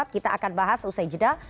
kita akan bahas usai jeda